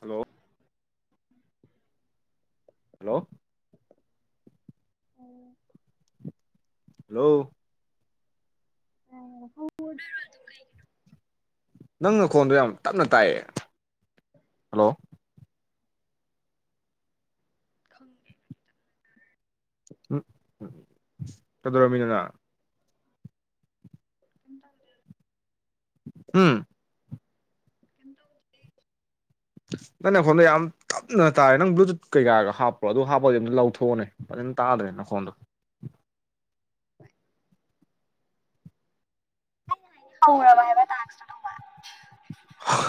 Hello [inaudible] hello hello [unintelligible] ꯅꯪ ꯅꯈꯣꯟꯗꯣ ꯌꯥꯝ ꯇꯞꯅ ꯇꯥꯏꯌꯦ ꯍꯜꯂꯣ ꯈꯪꯗꯦ ꯎꯝ ꯀꯩꯗꯧꯔꯝꯃꯤꯅꯣ ꯅꯪ ꯀꯩꯝ ꯇꯧꯗꯦꯗ ꯍꯨꯝ ꯅꯪ ꯅꯈꯣꯟꯗ ꯌꯥꯝ ꯇꯞꯅ ꯇꯥꯏꯔꯦ ꯅꯪ ꯕ꯭ꯂꯨꯇꯨꯠ ꯀꯩꯀꯥꯒ ꯍꯥꯞꯄ꯭ꯔꯣ ꯑꯗꯨ ꯍꯥꯞꯄꯗꯤ ꯑꯝꯇ ꯂꯧꯊꯣꯛꯑꯣꯅꯦ ꯐꯖꯟ ꯇꯥꯗ꯭ꯔꯦ ꯅꯈꯣꯟꯗꯣ [unintelligible] ꯍꯥꯏꯕ ꯗꯥꯟꯁꯇꯨꯗꯣ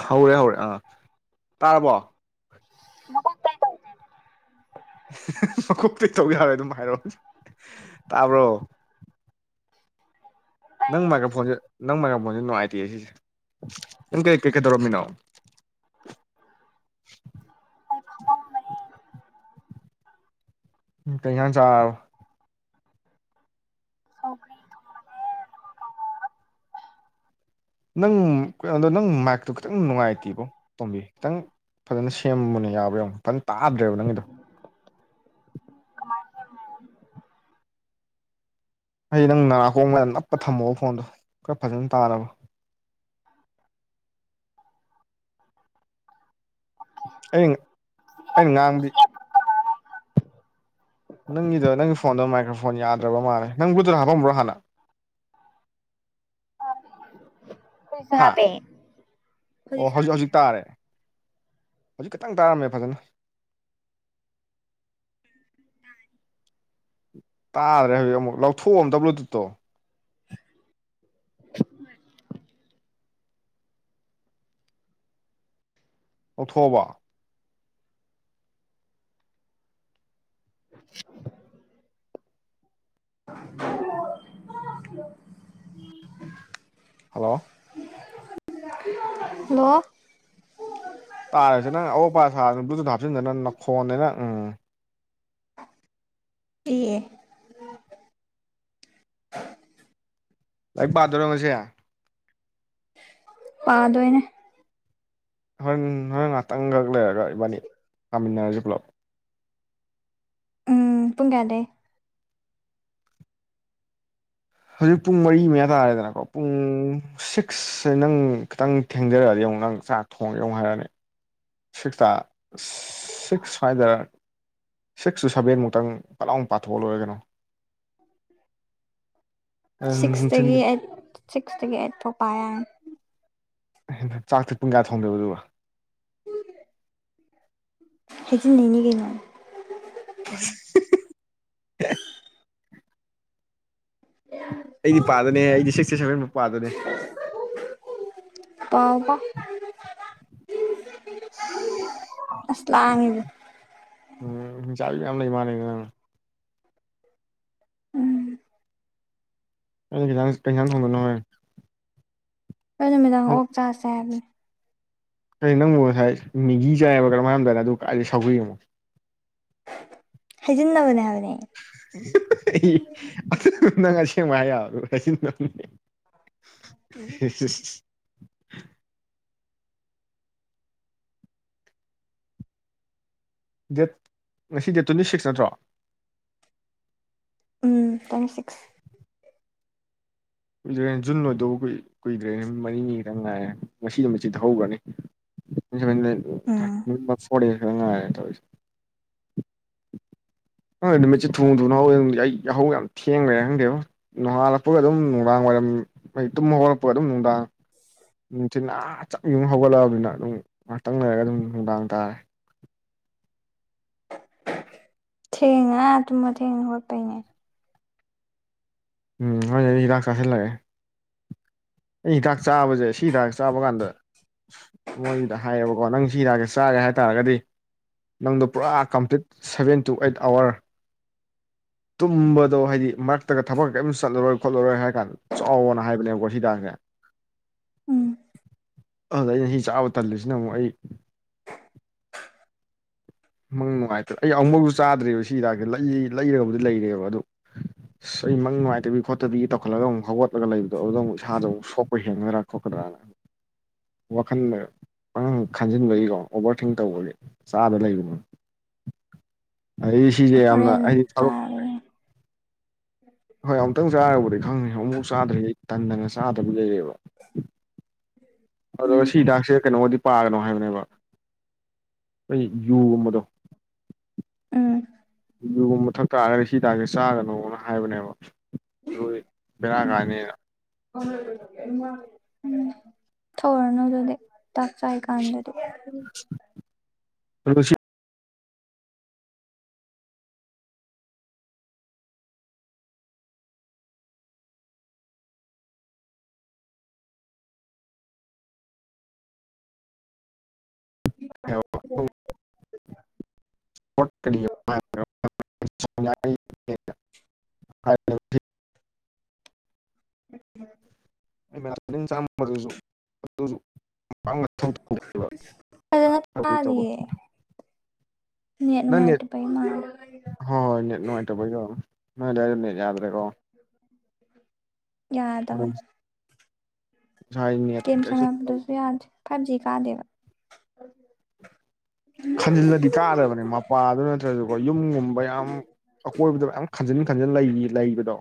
ꯍꯧꯔꯦ ꯍꯧꯔꯦ ꯑꯥ ꯇꯥꯔꯕꯣ? [unintelligible] ꯃꯀꯣꯛꯇꯩ ꯇꯧ ꯌꯥꯔꯣꯏ ꯑꯗꯨꯝ ꯍꯥꯏꯔꯣꯛ ꯇꯥꯕ꯭ꯔꯣ ꯑꯩ ꯅꯪ ꯃꯥꯏꯒꯐꯣꯟꯖꯦ ꯅꯪ ꯃꯥꯏꯒꯐꯣꯟꯖꯦ ꯅꯨꯡꯉꯥꯏꯇꯦꯍꯦ ꯁꯤꯖꯦ ꯅꯪ ꯀꯩ ꯀꯩ ꯀꯩꯗꯧꯔꯝꯃꯤꯅꯣ ꯑꯩ ꯐꯝꯃꯝꯕꯅꯦ ꯎꯝ ꯀꯩ ꯍꯤꯟꯖꯥꯡ ꯆꯥꯔ ꯁꯧꯒ꯭ꯔꯤ ꯅꯪ- ꯀꯩꯅꯣꯗꯣ ꯅꯪ ꯃꯥꯏꯛꯇꯣ ꯈꯤꯇꯪ ꯅꯨꯡꯉꯥꯏꯇꯤꯕꯣ ꯇꯣꯝꯕꯤ ꯈꯤꯇꯪ ꯐꯖꯟꯅ ꯁꯦꯝꯃꯨꯅꯦ ꯌꯥꯕ꯭ꯔꯥ ꯌꯦꯡꯉꯣ ꯐꯖꯟ ꯇꯥꯗ꯭ꯔꯦꯕ ꯅꯪꯒꯤꯗꯣ ꯍꯥꯢꯗꯤ ꯅꯪ ꯅꯅꯥꯀꯣꯡ ꯃꯌꯥꯗ ꯅꯞꯄ ꯊꯝꯃꯣꯕ ꯐꯣꯟꯗꯣ ꯈꯔ ꯐꯖꯟ ꯇꯥꯅꯕ ꯑꯩ ꯑꯩꯅ ꯉꯥꯡꯕꯗꯤ ꯅꯪꯒꯤꯗꯣ ꯅꯪꯒꯤ ꯐꯣꯟꯗꯣ ꯃꯥꯏꯀ꯭ꯔꯐꯣꯟ ꯌꯥꯗ꯭ꯔꯥꯕ ꯃꯥꯜꯂꯦ ꯅꯪ ꯕ꯭ꯂꯨꯇꯨꯠ ꯍꯥꯞꯄꯝꯕ꯭ꯔꯣ ꯍꯥꯟꯅ [unintelligible] ꯍꯥ ꯍꯥꯞꯄꯦ ꯑꯣ ꯍꯧꯖꯤꯛ ꯍꯥꯏꯕ ꯍꯧꯖꯤꯛ ꯇꯥꯔꯦ ꯍꯧꯖꯤꯛ ꯈꯤꯇꯪ ꯇꯥꫪꯝꯃꯦ ꯐꯖꯟꯅ ꯇꯥꯗ꯭ꯔꯦ ꯍꯨꯖꯤꯛ ꯑꯃꯨꯛ ꯂꯧꯊꯣꯛꯑꯣ ꯑꯝꯇ ꯕ꯭ꯂꯨꯇꯨꯠꯇꯣ [unintelligible] ꯂꯧꯊꯣꯛꯑꯕꯣ [inaudible] [unintelligible] [inaudible] ꯍꯜꯂꯣ- ꯍꯜꯂꯣ- ꯇꯥꯔꯦꯁꯦ ꯅꯪ ꯑꯑꯣꯛꯄꯥ ꯁꯥꯗꯅ ꯕ꯭ꯂꯨꯇꯨꯠ ꯍꯥꯞꯆꯤꯟꯗꯅ ꯅꯈꯣꯟꯅꯦꯅ ꯎꯝ [unintelligible] ꯂꯥꯏꯛ ꯄꯥꯗꯣꯏꯔꯣ ꯉꯁꯤ? ꯄꯥꯗꯣꯏꯅꯦ꯫ ꯍꯣꯏꯟ ꯍꯣꯏꯟ ꯉꯥꯇꯟꯈꯛ ꯂꯩꯔꯒ ꯏꯕꯥꯅꯤ ꯄꯥꯃꯤꯟꯅꯔꯁꯦ ꯄꯨꯂꯞ ꯎꯝ ꯄꯨꯡ ꯀꯌꯥꯗꯩꯩ ꯍꯧꯖꯤꯛ ꯄꯨꯡ ꯃꯔꯤ ꯃꯌꯥ ꯇꯥꯔꯦꯗꯅꯀꯣ ꯄꯨꯡ ꯁꯤꯛꯁꯁꯦ ꯅꯪ ꯈꯤꯇꯪ ꯊꯦꯡꯖꯔꯛꯑꯗꯤ ꯑꯃꯨꯛ ꯅꯪ ꯆꯥꯛ ꯊꯣꯡꯒꯅ ꯍꯥꯏꯔꯅꯤ ꯁꯤꯛꯁꯇ ꯁꯤꯛꯁ ꯁ꯭ꯋꯥꯏꯗ ꯁꯤꯛꯁ ꯇꯨ ꯁꯚꯦꯟꯃꯨꯛꯇꯪ ꯄꯂꯥꯎ ꯄꯥꯊꯣꯛꯑ ꯂꯣꯏꯔꯦ ꯀꯩꯅꯣ ꯅꯨꯡꯊꯤꯟ ꯁꯤꯛꯁꯇꯒꯤ ꯑꯩꯠ ꯁꯤꯛꯁꯇꯒꯤ ꯑꯩꯠ ꯐꯥꯎ ꯄꯥ ꯌꯥꯅꯤ ꯆꯥꯛꯇ ꯄꯨꯡ ꯀꯌꯥ ꯊꯣꯡꯗꯣꯏꯕ ꯑꯗꯨꯒ [unintelligible] ꯍꯥꯏꯖꯟ ꯅꯩꯅꯤ ꯀꯩꯅꫭ [unintelligible] [unintelligible] ꯑꯩꯗꯤ ꯄꯥꯗꯅꯦ ꯑꯩꯗꯤ ꯁꯤꯛꯁꯇꯤ ꯁꯕꯦꯟꯃꯥꯎꯛ ꯄꯥꯗꯅꯦ ꯄꯥꯎ ꯄꯥꯎ [unintelligible] ꯑꯁ ꯂꯥꯡꯉꯤꯗ ꯎꯝ ꯍꯤꯡꯆꯥꯕꯤ ꯌꯥꯝ ꯂꯩ ꯃꯥꯥꯟꯅꯦ ꯅꯪ ꯎꯝ ꯑꯩꯅ ꯈꯤꯇꯪ [unintelligible] ꯊꯣꯡꯗꯣꯏꯅꯣ ꯍꯣꯏ ꯑꯩ ꯅꯨꯃꯤꯗꯥꯡ ꯑꯣꯛ ꯆꯥꯁꯦ ꯍꯥꯏꯕꯅꯤ ꯀꯩ ꯅꯪꯕꯨ ꯉꯁꯥꯏ ꯃꯦꯒꯤ ꯆꯥꯏ ꯍꯥꯏꯕꯔꯥ ꯀꯩꯅꯣꯝ ꯍꯥꯏꯔꯝꯗꯥꯏꯅꯦ ꯗꯨꯒꯥ ꯀꯥꯏꯗꯩꯩ ꯁꯧꯒꯔꯤ ꯍꯩꯖꯤꯟꯅꯕꯅꯦ ꯍꯥꯏꯕꯅꯦ [unintelligible] ꯅꯪ ꯑꯁꯦꯡꯕ ꯍꯥꯏ ꯗꯦꯠ ꯉꯁꯤ ꯗꯦꯠ ꯇ꯭ꯋꯦꯟꯇꯤ ꯁꯤꯛꯁ ꯅꯠꯇ꯭ꯔꯣ ꯎꯝ ꯇ꯭ꯋꯦꯟꯇꯤ ꯁꯤꯛꯁ ꯑꯩꯈꯣꯏ ꯖꯔꯦꯟ ꯖꯨꯟ ꯑꯣꯏꯗꯧꯕ ꯑꯩꯈꯣꯏ ꯀꯨꯏꯗ꯭ꯔꯦ ꯅꯨꯃꯤꯠ ꯃꯔꯤꯅꯤ ꯈꯛꯇꯪ ꯉꯥꯏꯔꯦ ꯉꯁꯤꯗ ꯃ ꯆꯤꯊꯍꯈ꯭ꯔꯅꯤ ꯎꯝ [unintelligible] ꯑꯪ ꯅꯨꯃꯤꯠꯁꯦ ꯊꯨ ꯊꯨꯅꯍꯥꯎꯋꯦ ꯌꯥꯍꯧ ꯌꯥꯝ ꯊꯦꯡꯡꯂꯔꯦ ꯈꯪꯗꯦꯕ ꯅꯣꯡꯍꯥꯜꯂꯛꯄꯒ ꯑꯗꯨꯝ ꯅꯨꯡꯗꯥꯡ ꯋꯥꯏꯔꯝꯃꯤ ꯃꯩ ꯇꯨꯝꯕ ꯍꯧꯔꯛꯄꯒ ꯑꯗꯨꯝ ꯅꯨꯡꯗꯥꯡ ꯊꯤꯅꯥ ꯆꯞ ꯌꯨꯝ ꯍꯧꯒꯠꯂꯛꯑꯕꯅꯤꯅ ꯑꯗꯨꯝ ꯉꯥꯏꯍꯥꯛꯇꯪ ꯂꯩꯔꯒ ꯑꯗꯨꯝ ꯅꯨꯡꯗꯥꯡ ꯇꯥꯔꯦ ꯊꯦꯡꯅ ꯇꯨꯝꯃꯒꯥ ꯊꯦꯡꯅ ꯍꯧꯒꯣꯠꯄꯩꯅꯦ ꯎꯝ ꯍꯣꯏ ꯑꯣꯏꯅ ꯑꯩ ꯍꯤꯗꯥꯛ ꯆꯥꯁꯤꯜꯂꯛꯑꯦ ꯑꯩ ꯍꯤꯗꯥꯛ ꯆꯥꯕꯁꯦ ꯁꯤ ꯍꯤꯗꯥꯛ ꯆꯥꯕ ꯀꯥꯟꯗ ꯃꯣꯏꯗ ꯍꯥꯏꯌꯦꯕꯀꯣ ꯅꯪ ꯁꯤꯔꯥꯛꯀꯦ ꯆꯥꯒꯦ ꯍꯥꯏꯇꯥꯔꯒꯗꯤ ꯅꯪꯗꯣ ꯄꯨꯔꯥ complete seven to eight hour ꯇꯨꯝꯕꯗꯣ ꯍꯥꯏꯗꯤ ꯃꯔꯛꯇꯒ ꯊꯕꯛ ꯀꯔꯤꯝꯇ ꯆꯠꯂꯔꯣꯏ ꯈꯣꯠꯂꯔꯣꯏ ꯍꯥꯏꯔ ꯀꯥꯟꯗ ꯆꯥꯎꯅ ꯍꯥꯏꯕꯅꯦꯕꯀꯣ ꯁꯤꯗꯥꯛꯁꯦ ꯎꯝ ꯑꯗꯨꯗ ꯑꯩꯅ ꯍꯤ ꯆꯥꯕ ꯇꯜꯂꯤꯁꯤꯅ ꯑꯃꯨꯛ ꯑꯩ ꯃꯪ ꯅꯨꯡꯉꯥꯏꯇ꯭ꯔꯦ ꯑꯩ ꯑꯃꯐꯥꯎꯁꯨ ꯆꯥꯗ꯭ꯔꯤꯕꯕ ꯁꯤ ꯍꯤꯗꯥꯛꯁ ꯂꯩ ꯂꯩꯔꯕꯨꯗꯤ ꯂꯩꯔꯦꯕ ꯑꯗꯨ ꯑꯁ ꯑꯩ ꯃꯪ ꯅꯨꯡꯉꯥꯏꯇꯕꯤ ꯈꯣꯠꯇꯕꯤꯒꯤ ꯇꯧꯈꯠꯂꯒ ꯑꯃꯨꯛ ꯍꯧꯒꯠꯂꯒ ꯂꯩꯕꯗꯣ ꯑꯗꯨ ꯑꯃꯨꯛ ꯏꯁꯥꯗꫭ ꯑꯃꯨꯛꯄ ꯍꯦꯟꯒꯗ꯭ꯔꯥ ꯈꯣꯠꯀ꯭ꯔꯥꯅ [unintelligible] ꯋꯥꯈꯜꯗ ꯈꯟꯖꯤꯟꯕꯒꯤꯀꯣ ꯑꯣꯚꯔ ꯊꯤꯡ ꯇꯧꯕꯒꯤ ꯆꯥꯕ ꯂꯩꯕꯅꯤ ꯑꯗꯩꯩ ꯁꯤꯁꯦ ꯌꯥꯝꯅ ꯍꯣꯔꯦꯟ ꯍꯥꯏꯗꯤ ꯊꯕꯛ ꯆꯥꯔꯒꯦ ꯍꯣꯏ ꯑꯃꯨꯛꯇꯪ ꯆꯥꯔꯨꯔꯕꯗꯤ ꯈꯪꯅꯤ ꯑꯃꯨꯛꯐꯥꯎ ꯆꯥꯗ꯭ꯔꯒꯩ ꯇꯟꯗꯅ ꯆꯥꯗꯕ ꯂꯩꯔꯦꯕ ꯑꯗꯨꯒ ꯎꯝ ꯁꯤ ꯍꯗꯥꯛꯁꯦ ꯀꯩꯅꯣꯗꯤ ꯄꯥꯒꯅꯣ ꯍꯥꯏꯕꯅꯦꯕ ꯑꯩꯈꯣꯏ ꯌꯨꯒꯨꯝꯕꯗꯣ ꯎꯝ ꯌꯨꯒꯨꯝꯕ ꯊꯛ ꯇꯥꯔꯒꯗꯤ ꯁꯤꯗꯥꯛꯁꯦ ꯆꯥꯒꯅꯣꯅ ꯍꯥꯏꯕꯅꯦꯕ ꯑꯗꯨ ꯕꯦꯔꯥ ꯀꯥꯅꯤꯅ [inaudible] ꯊꯛꯎꯔꯅꯨ ꯗꯨꯗꯤ ꯍꯤꯗꯥꯛ ꯆꯥꯏ ꯀꯥꯟꯗꯗꯤ [unintelligible] [inaudible] [unintelligible] [inaudible] ꯎꯝ [inaudible] [unintelligible] ꯐꯖꯅꯥ ꯇꯧꯕꯩ ꯇꯧꯕ ꯇꯥꯗꯦꯌꯦ ꯅꯦꯠ ꯅꯨꯡꯉꯥꯏꯇꯕꯒꯤ ꯃꯥꯜꯂꯦ ꯍꯣꯏ ꯍꯣꯏ ꯅꯦꯠ ꯅꯨꯡꯉꯥꯏꯇꯕꯒꯤꯔꯣ ꯅꯣꯏꯗꯥꯏꯗ ꯅꯦꯠ ꯌꯥꯗ꯭ꯔꯦꯀꯣ ꯌꯥꯗꯕꯅꯦ ꯍꯥꯏꯅꯦ [unintelligible] ꯒꯦꯝ ꯁꯥꯟꯅꯕꯗꯁꯨ ꯌꯥꯗ꯭ꯔꯦ ꯐꯥꯏꯚ ꯖꯤ ꯀꯥꯗꯦꯕ [inaudible] ꯈꯟꯖꯤꯜꯂꯗꯤ ꯀꯥꯗꯕꯅꯦ ꯃꯄꯥꯗꯨ ꯅꯠꯇ꯭ꯔꯁꯨꯀꯣ ꯌꯨꯝꯒꯨꯝꯕ ꯌꯥꯝ ꯑꯀꯣꯏꯕꯗꯣ ꯃꯌꯥꯝ ꯈꯟꯖꯤꯟ ꯈꯟꯖꯤꯟ ꯂꯩꯔꯤ ꯂꯩꯕꯗꯣ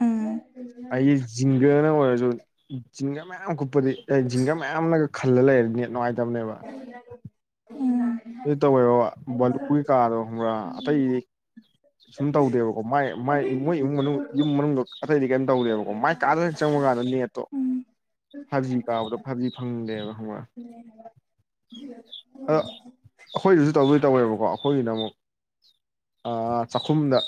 ꯎꯝ ꯑꯩ ꯖꯤꯡꯒꯅ ꯑꯣꯏꯔꯁꯨ ꯖꯤꯡꯒꯥ ꯃꯌꯥꯝ ꯀꯨꯞꯄꯗꯤ ꯑꯩ ꯖꯤꯡꯒꯥ ꯃꯌꯥꯝꯅꯒ ꯈꯜꯂ ꯂꯩꯔꯗꯤ ꯅꯦꯠ ꯅꯨꯡꯉꯥꯏꯇꯕꯅꯦꯕ ꯎꯝ ꯑꯗꯨ ꯇꯧꯋꯦꯕ [unintelligible] ꯒꯤ ꯀꯥꯗꯣ ꯈꯪꯕ꯭ꯔꯥ ꯑꯇꯩꯗꯤ ꯁꯨꯝ ꯇꯧꯗꯦꯕꯀꯣ ꯃꯥꯏ ꯃꯥꯏ ꯃꯣꯏ ꯏꯃꯨꯡ ꯃꯅꯨꯡ ꯌꯨꯝ ꯃꯅꯨꯡꯗ ꯑꯇꯩꯗꯤ ꯀꯩꯔꯤꯝ ꯇꯧꯗꯦꯕ ꯑꯣ ꯃꯥꯏ ꯀꯥꯗꯅ ꯆꯪꯉꯨꯀꯥꯟꯗ ꯅꯦꯠꯇꯣ ꯎꯝ ꯐꯥꯏꯚ ꯖꯤ ꯀꯥꯕꯗꯣ ꯐꯥꯏꯚ ꯖꯤ ꯐꯪꯗꯦꯅ ꯈꯪꯕꯔꯥ [inaudible] [inaudible] ꯑꯗ ꯑꯩꯈꯣꯏꯗꯁꯨ ꯇꯧꯗꯣꯏ ꯇꯧꯋꯦꯕꯀꯣ ꯑꯩꯈꯣꯏꯒꯤꯅ ꯑꯃꯨꯛ ꯑꯥ ꯆꯥꯛꯈꯨꯝꯗ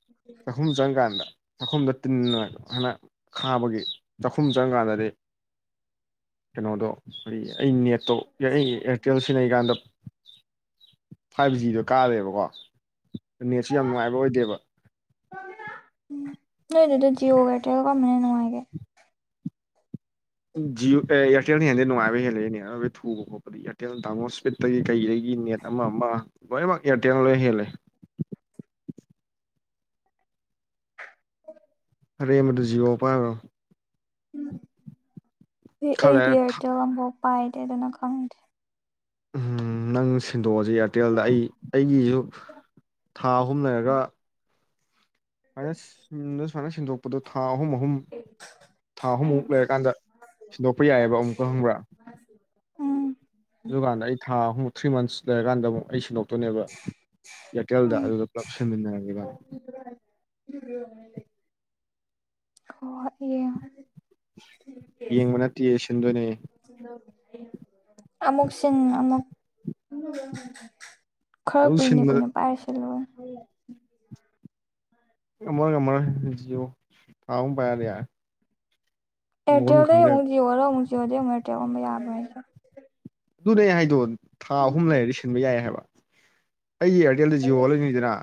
[inaudible] ꯆꯥꯛꯈꯨꯝ ꯆꯪꯀꯥꯟꯗ ꯆꯥꯛꯈꯨꯝꯗ ꯇꯤꯟꯅ ꯈꯥꯕꯒꯤ ꯆꯥꯛꯈꯨꯝ ꯆꯪꯀꯥꯟꯗꯗꯤ ꯀꯩꯅꯣꯗꯣ ꯑꯩ ꯑꯩ ꯅꯦꯠꯇꯣ ꯑꯩ ꯑꯦꯌꯥꯔꯇꯦꯜ ꯁꯤꯖꯤꯟꯅꯩꯀꯥꯟꯗ ꯐꯥꯏꯚ ꯖꯤꯗꯣ ꯀꯥꯔꯦꯕꯀꯣ ꯅꯦꯠꯁꯨ ꯌꯥꯝ ꯅꯨꯡꯉꯥꯏꯕ ꯑꯣꯏꯗꯦꯕ ꯎ ꯅꯣꯏꯒꯤꯗꯣ ꯖꯤꯌꯣ ꯑꯥꯏꯔꯇꯦꯜ ꯀꯔꯝꯕꯅ ꯅꯨꯡꯉꯥꯏꯒꯦ ꯖꯤꯑꯣ ꯑꯦꯔꯇꯦꯜꯅ ꯍꯦꯜꯂꯦ ꯅꯨꯡꯉꯥꯏꯕ ꯍꯦꯜꯂꯦ [unintelligible] ꯊꯨꯕ ꯏꯌꯥꯔꯇꯦꯜ ꯇꯥꯃꯣ ꯏꯁꯄꯤꯗꯒꯤ ꯀꯩꯗꯒꯤ ꯅꯦꯠ ꯑꯃꯥ ꯑꯃꯥ ꯂꯣꯏꯅꯃꯛ ꯏꯌꯥꯔꯇꯦꯜ ꯂꯣꯏꯅ ꯍꯦꯜꯂꯦ [inaudible] ꯑꯔꯦꯝꯕꯗ ꯖꯤꯌꯣ ꯄꯥꯏꯔ ꯎꯝ ꯈꯔ ꯑꯩꯗꯤ ꯂꯩꯔ ꯊ ꯑꯦꯌꯥꯔꯇꯦꯜ ꯑꯃꯐꯥꯎ ꯄꯥꯏꯗꯦ ꯑꯗꯨꯅ ꯈꯪꯗꯦ ꯅꯪ ꯁꯤꯟꯗꯣꯛꯑꯁꯤ ꯏꯌꯥꯔꯇꯦꯜꯗ ꯑꯩ ꯑꯩꯒꯤꯁꯨ ꯊꯥ ꯑꯍꯨꯝ ꯂꯩꯔꯒ ꯁꯨꯃꯥꯏꯅꯗ ꯁꯨꯃꯥꯏꯅ ꯁꯤꯟꯗꯣꯛꯄꯗ ꯊꯥ ꯑꯍꯨꯝ ꯑꯍꯨꯝ ꯊꯥ ꯑꯍꯨꯝꯃꯨꯛ ꯂꯩꯔꯀꯥꯟꯗ ꯁꯤꯟꯗꯣꯛꯄ ꯌꯥꯏꯌꯦꯕ ꯑꯃꯨꯛꯀ ꯈꯪꯕ꯭ꯔꯥ ꯎꯝ ꯑꯗꯨꯀꯥꯟꯗ ꯑꯩ ꯊꯥ ꯑꯍꯨꯝ ꯊ꯭ꯔꯤ ꯃꯟꯠꯁ ꯂꯩꯔꯀꯗ ꯑꯃꯨꯛ ꯁꯤꯟꯗꯣꯛ ꯨꯅꯦꯕ ꯏꯌꯥꯔꯇꯦꯜꯗ ꯎꯝ ꯑꯗꯨꯗ ꯄꯨꯂꯞ ꯁꯦꯝꯃꯤꯟꯅꯔꯕꯅꯤꯅ [unintelligible] ꯌꯦꯡꯕ ꯅꯠꯇꯦ ꯁꯤꯟꯗꯣꯏꯅꯦ ꯑꯃꯨꯛ ꯁꯤꯟ ꯑꯃꯨꯛ ꯈꯔ ꯑꯗꯨ ꯀꯨꯏꯅ ꯁꯤꯟꯕꯗ ꯀꯨꯏꯅ ꯄꯥꯏꯔꯁꯤ ꯂꯣꯏ ꯉꯝꯃꯔꯣꯏ ꯉꯝꯃꯥꯔꯣꯏ ꯖꯤꯌꯣ ꯊꯥ ꯑꯍꯨꯝ ꯄꯥꯏꯔꯗꯤ ꯌꯥꯔꯦ ꯃꯒꯨꯟ ꯑꯦꯌꯥꯔꯇꯦꯜꯗꯩꯩ ꯈꯪꯖ ꯑꯃꯨꯛ ꯖꯤꯑꯣ ꯑꯣꯜꯂꯥ ꯑꯃꯨꯛ ꯖꯤꯑꯣꯗꯩꯩ ꯑꯃꯨꯛ ꯑꯦꯔꯇꯦꯜ ꯑꯣꯟꯕ ꯌꯥꯕ꯭ꯔꯣ ꯑꯗꯨꯅꯦ ꯍꯥꯏꯗꯣ ꯊꯥ ꯑꯍꯨꯝ ꯂꯩꯔꯗꯤ ꯁꯤꯟꯕ ꯌꯥꯏ ꯍꯥꯏꯕ ꯑꯩ ꯏꯌꯥꯔꯇꯦꯜꯗ ꯖꯤꯑꯣ ꯑꯣꯜꯂꯅꯤꯗꯅ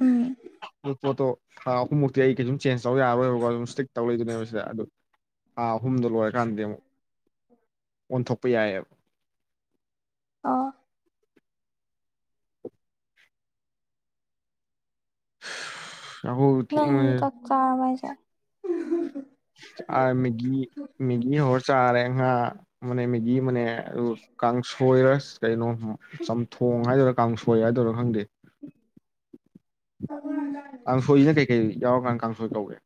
ꯎꯝ ꯄꯣꯠꯇꯣ ꯊꯥ ꯑꯍꯨꯝꯃꯨꯛꯇꯤ ꯑꯩ ꯀꯩ ꯁꯨꯝ ꯆꯦꯟꯖ ꯇꯧ ꯌꯥꯔꯣꯏꯕꯀꯣ ꯑꯗꯨꯝ ꯏꯁ꯭ꯇꯤꯛ ꯇꯧ ꯂꯩꯗꯣꯏꯅꯦꯕ ꯁꯤꯗ ꯑꯗꯨ ꯊꯥ ꯑꯍꯨꯝꯗꯣ ꯂꯣꯏꯔꯀꯥꯟꯗꯤ ꯑꯃꯨꯛ ꯑꯣꯟꯊꯣꯛꯄ ꯌꯥꯏꯌꯦꯕ ꯑꯥ [unintelligible] ꯅꯪ ꯊꯦꯡꯕꯅ ꯆꯥꯛ ꯆꯥꯔꯕꯣ ꯍꯥꯏꯁꯦ ꯆꯥꯔꯦ ꯃꯦꯒꯤ ꯃꯦꯒꯤ ꯍꯧꯔ ꯆꯥꯔꯦ ꯉꯥ ꯃꯅꯦ ꯃꯦꯒꯤ ꯅꯦ ꯑꯗꯨ ꯀꯥꯡꯁꯣꯏꯔ ꯀꯩꯅꯣ ꯆꯝꯊꯣꯡ ꯍꯥꯏꯗꯣꯏꯔꯥ ꯀꯥꯡꯁꯣꯏ ꯍꯥꯏꯗꯣꯏꯔꯥ ꯈꯪꯗꯦ ꯑꯣ [inaudible] ꯀꯥꯡꯁꯣꯏ ꯁꯤꯅ ꯀꯩꯀꯩ ꯌꯥꯎꯔꯀꯥꯟꯗ ꯀꯥꯡꯁꯣꯏ ꯀꯧꯒꯦ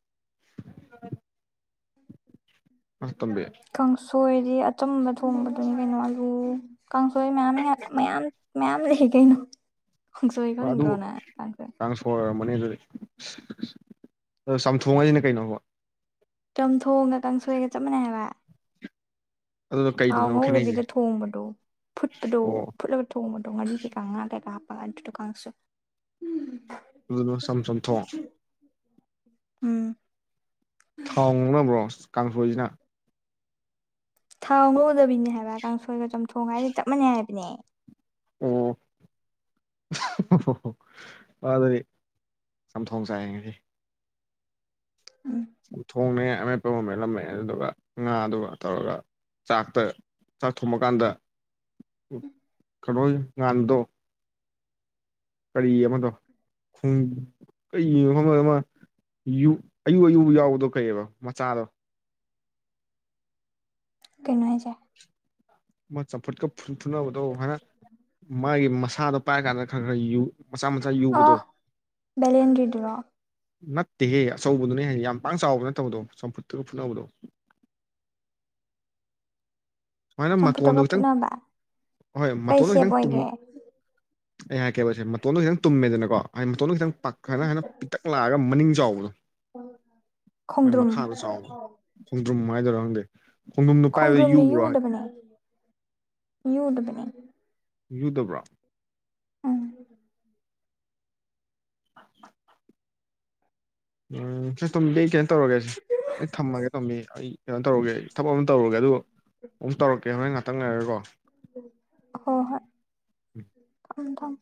ꯑ ꯇꯝꯕꯦ [unintelligible] ꯀꯥꯡꯁꯣꯏꯗꯤ ꯑꯆꯝꯕ ꯊꯣꯡꯕꯗꯨꯅꯤ ꯀꯩꯅꯣ ꯑꯂꯨ ꯀꯥꯡꯁꯣꯏ ꯃꯌꯥꯝ ꯃꯌꯥꯝ ꯃꯌꯥꯝ ꯂꯩ ꯀꯩꯅꯣ ꯈꯥꯡꯁꯣꯏ ꯈꯪꯗ꯭ꯔꯣ ꯅꯪ ꯀꯥꯡꯁꯣꯏ ꯍꯣꯏ ꯑꯣꯏꯔꯝꯕꯅꯤ ꯑꯗꯨꯗꯤ ꯑꯗꯣ ꯆꯝꯊꯣꯡ ꯍꯥꯏꯁꯤꯅ ꯀꯩꯅꯣꯕ ꯆꯝꯊꯣꯡꯒ ꯀꯥꯡꯁꯣꯏꯒ ꯆꯞ ꯃꯥꯟꯅꯩ ꯍꯥꯏꯕ ꯑꯗꯨꯅ ꯊꯥꯎ ꯀꯩꯗꯅꯣ ꯈꯦꯠꯅꯩꯁꯦ ꯉꯧꯗꯕꯤꯗ ꯊꯣꯡꯕꯗꯣ ꯐꯨꯠꯄꯗꯣ ꯑꯣ ꯐꯨꯠꯂ ꯊꯣꯡꯕꯗꯣ ꯉꯥꯔꯤ ꯀꯩꯀꯥ ꯉꯥ ꯀꯩꯀꯥ ꯍꯥꯞꯄꯒ ꯑꯗꯨꯗ ꯀꯥꯡꯁꯣꯏ ꯑꯗꯨꯗꯨꯅ ꯆꯝ ꯆꯝ ꯆꯝꯊꯣꯡ ꯎꯝ ꯍꯣꯡꯅꯕ꯭ꯔꯣ ꯀꯥꯡꯁꯣꯏꯁꯤꯅ ꯊꯥꯎ ꯉꯧꯗꯕꯤꯅꯦ ꯍꯥꯏꯕ ꯀꯥꯡꯁꯣꯏꯒ ꯆꯝꯊꯣꯡ ꯍꯥꯏꯗꯤ ꯆꯞ ꯃꯥꯅꯩ ꯍꯥꯏꯕꯅꯦ ꯑꯣ ꯑꯣ [unintelligible] ꯆꯝꯊꯣꯡ ꯆꯥꯏ ꯉꯁꯤ ꯎꯝ ꯆꯝꯊ‌ꯣꯡꯅ‌ꯦ ꯑꯃꯦꯠꯄ ꯑꯃ ꯃꯦꯠꯂꯝꯃꯦ ꯑꯗꯨꯗꯨꯒ ꯉꯥꯗꯨꯒ ꯇꯧꯔꯒ ꯆꯥꯛꯇ ꯆꯥꯛ ꯊꯣꯡꯕꯀꯥꯟꯗ ꯀꯩꯅꯣ ꯉꯥꯟꯕꯗꯣ ꯀꯔꯤ ꯑꯃꯗꯣ [unintelligible] ꯈ ꯀꯔꯤ ꯃꯐꯝ ꯑꯃ ꯌꯨꯛ ꯑꯌꯨꯛ ꯑꯌꯨꯛ ꯌꯥꯎꯕꯗꯣ ꯀꯩꯑꯕ ꯃꯆꯥꯗꯣ ꯀꯩꯅꯣ ꯍꯥꯏꯖꯦ ꯃꯥ ꯆꯝꯐꯨꯠꯀ ꯐꯨꯠ ꯐꯨꯠꯅꯕꯗꯣ ꯍꯥꯏꯅ ꯃꯥꯒꯤ ꯃꯁꯥꯗꯣ ꯄꯥꯏꯔ ꯀꯥꯟꯗ ꯈꯔ ꯈꯔ ꯌꯨ ꯃꯆꯥ ꯃꯆꯥ ꯑꯣ ꯌꯨꯕꯗꯣ ꯕꯦꯂꯦꯟꯗ꯭ꯔꯤꯗꯨꯔꯣ ꯅꯠꯇꯦꯍꯦ ꯑꯆꯧꯕꯗꯨꯅꯦ ꯌꯥꯝ ꯄꯥꯡ ꯆꯥꯎꯕ ꯅꯠꯇꯕꯗꯣ ꯆꯝꯐꯨꯠꯇꯒ ꯐꯨꯠꯅꯕꯗꯣ ꯁꯨꯃꯥꯏꯅ ꯃꯇꯣꯟꯗꯣ ꯆꯝꯐꯨꯠꯇꯒ ꯈꯤꯇꯪ ꯐꯨꯠꯅꯕ ꯍꯣꯏ ꯀꯩ ꯃꯇꯣꯟꯗꯣ ꯁꯦꯞ ꯈꯤꯇꯪ ꯇꯨꯝ ꯑꯣꯏꯒꯦ ꯑꯩ ꯍꯥꯏꯀꯦꯕꯁꯦ ꯃꯇꯣꯟꯗꯣ ꯈꯤꯇꯪ ꯇꯨꯝꯃꯦꯗꯅꯀꯣ ꯍꯥꯏꯗꯤ ꯃꯇꯣꯟꯣ ꯈꯤꯇꯪ ꯄꯥꯈꯅ ꯍꯥꯏꯅ ꯄꯤꯛꯇꯛ ꯂꯥꯛꯑꯒ ꯃꯅꯤꯡ ꯆꯥꯎꯕꯗꯣ ꯃꯣꯏ ꯈꯣꯡꯗ꯭ꯔꯨꯝ ꯃꯈꯥꯗ ꯆꯥꯎꯕ ꯈꯣꯡꯗ꯭ꯔꯨꯝ ꯍꯥꯏꯗꯣꯏꯔ ꯈꯪꯗꯦ ꯈꯣꯡꯗ꯭ꯔꯨꯝꯗꯣ ꯄꯥꯏꯕ ꯈꯣꯡꯗ꯭ꯔꯨꯝꯗꯤ ꯌꯨꯕ꯭ꯔꯣ ꯌꯨꯗꯕꯅꯦ ꯌꯨꯗꯕꯅꯦ ꯌꯨꯗꯕ꯭ꯔꯣ ꯎꯝ [inaudible] ꯎꯝ ꯁ ꯇꯣꯝꯕꯤ ꯀꯩꯅꯣ ꯇꯧꯔꯒꯦ ꯑꯩ ꯊꯝꯃꯒꯦ ꯇꯣꯝꯕꯤ ꯑꯩ ꯀꯩꯅꯣ ꯇꯧꯔꯨꯒꯦ ꯊꯕꯛ ꯑꯃ ꯇꯧꯔꯨꯒꯦ ꯑꯗꯨ ꯑꯃꯨꯛ ꯇꯧꯔꯛꯀꯦ ꯍꯣꯔꯦꯟ ꯉꯥꯛꯇꯪ ꯂꯩꯔꯒꯀꯣ ꯍꯣ ꯍꯣꯏ ꯊꯝ ꯊꯝꯃꯣ